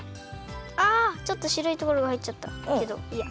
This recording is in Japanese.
あちょっとしろいところがはいっちゃったけどいいや。